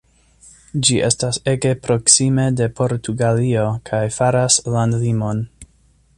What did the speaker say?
Ĝi estas ege proksime de Portugalio kaj faras landlimon.